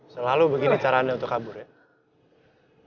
selalu begini cara anda untuk kabur ya